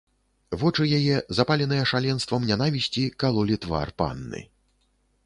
Вочы яе, запаленыя шаленствам нянавісці, калолі твар панны.